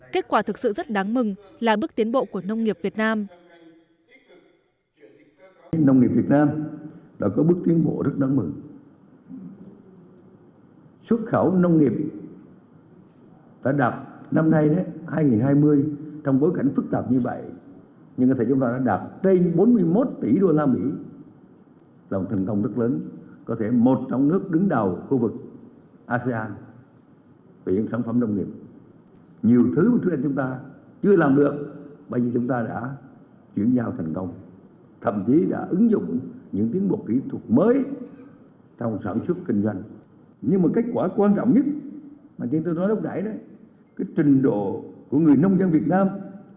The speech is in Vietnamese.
kết quả thực sự rất đáng mừng là bước tiến bộ của nông nghiệp việt nam